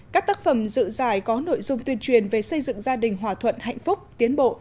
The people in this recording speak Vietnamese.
các tác phẩm dự giải có nội dung tuyên truyền về xây dựng gia đình hòa thuận hạnh phúc tiến bộ